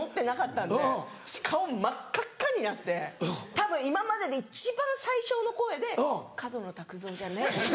たぶん今までで一番最小の声で「角野卓造じゃねえよ」。